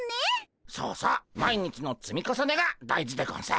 そうそう毎日の積み重ねが大事でゴンス。